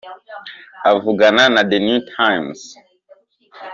Avugana na The New Times